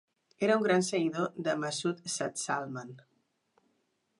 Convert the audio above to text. Era un gran seguidor de Masud Sa'd Salman.